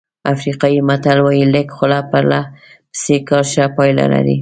افریقایي متل وایي لږ خو پرله پسې کار ښه پایله لري.